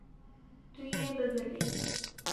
Tu yê bibirî.